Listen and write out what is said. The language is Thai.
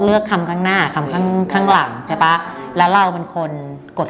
เรื่องแบบนี้มันแพ้งันไม่ได้คะ